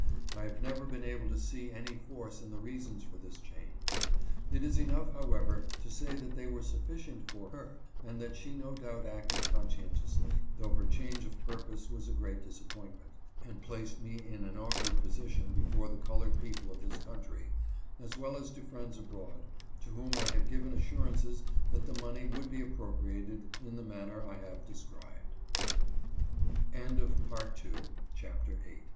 I have never been able to see any force in the reasons for this change. It is enough, however, to say that they were sufficient for her, and that she no doubt acted conscien tiously, though her change of purpose was a great disap FAILURE OF THE INDUSTRIAL SCHOOL SCHEME. 859 pointment, and placed me in an awkward position before the colored people of this country, as well as to friends abroad, to whom I had given assurances that the money would be appropriated in the manner I